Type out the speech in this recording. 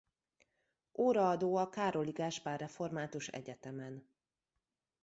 Óraadó a Károli Gáspár Református Egyetemen.